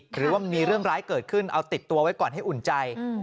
หรือว่ามีเรื่องร้ายเกิดขึ้นเอาติดตัวไว้ก่อนให้อุ่นใจ